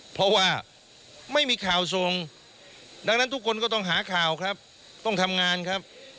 เพราะว่าไม่มีข่าวส่งดังนั้นทุกคนก็ต้องหาข่าวครับต้องทำงานครับ